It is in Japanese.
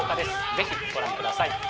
ぜひご覧ください